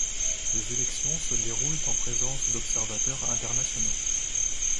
Les élections se déroulent en présence d'observateurs internationaux.